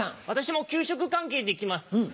私も給食関係で行きます。